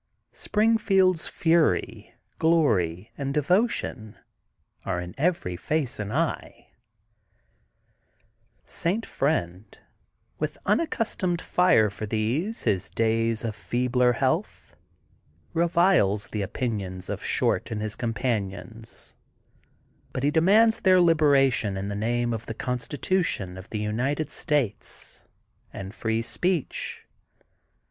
Springfield's fury, glory, and devotion are in every face and eye^ St. Friend, with unaccus 287 . n/f 288 THE GOLDEN BOOK OF SPRINGFIELD tomed fire for these his days of feebler health, reviles the opinions of Short and his com panions. But he demands their liberation in the name of the Constitution of the United States and Free Speech.